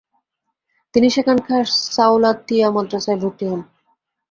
তিনি সেখানকার সাওলাতিয়্যা মাদ্রাসায় ভর্তি হন।